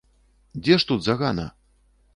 Дзе ж тут загана?